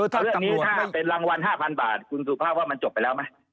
ถ้าเรื่องนี้ถ้าเป็นรางวัล๕๐๐บาทคุณสุภาพว่ามันจบไปแล้วไหม